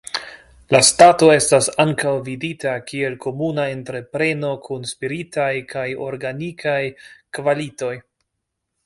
La stato estas ankaŭ vidita kiel komuna entrepreno kun spiritaj kaj organikaj kvalitoj.